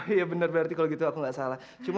iya bener berarti kalau gitu aku gak salah